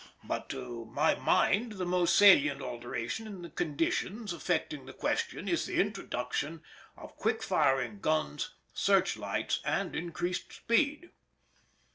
But to my mind the most salient alteration in the conditions affecting the question is the introduction of quick firing guns, search lights, and increased speed.